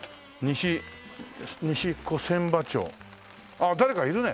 ああ誰かいるね。